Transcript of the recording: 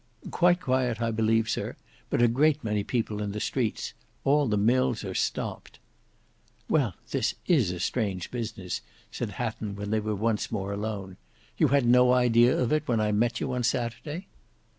"Quite quiet I believe, Sir; but a great many people in the streets. All the mills are stopped." "Well, this is a strange business," said Hatton when they were once more alone. "You had no idea of it when I met you on Saturday?"